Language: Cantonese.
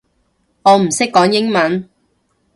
我唔識講英文